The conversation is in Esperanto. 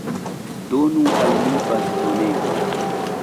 Donu al li bastonegon.